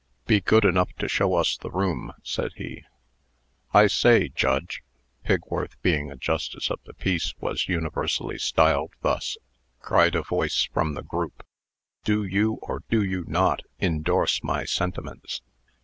"Be good enough to show us the room," said he. "I say, Judge" (Pigworth, being a justice of the peace, was universally styled thus), cried a voice from the group, "do you, or do you not, indorse my sentiments?"